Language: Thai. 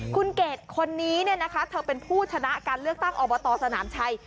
คุณเกดคนนี้เธอเป็นผู้ชนะการเลือกตั้งอบตสนามชัย